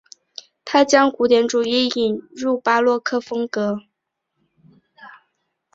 他将古典主义引入巴洛克风格。